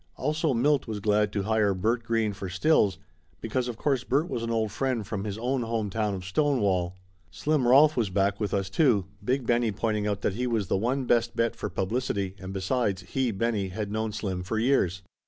Also Milt was glad to hire Bert Green for stills, because of course Bert was an old friend from his own home town of Stonewall. Slim Rolf was back with us, too, Big Benny pointing out that he was the one best bet for publicity and besides, he, Benny, had known Slim for years.